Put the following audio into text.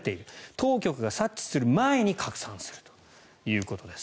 当局が察知する前に拡散するということです。